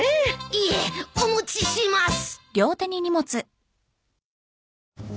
いえお持ちします。